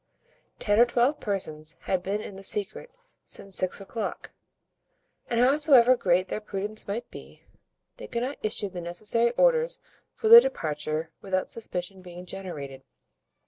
Ten or twelve persons had been in the secret since six o'clock, and howsoever great their prudence might be, they could not issue the necessary orders for the departure without suspicion being generated.